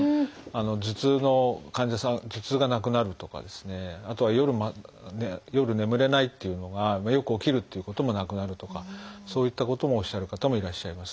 頭痛の患者さん頭痛がなくなるとかあとは夜夜眠れないっていうのがよく起きるということもなくなるとかそういったこともおっしゃる方もいらっしゃいます。